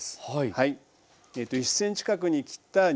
はい。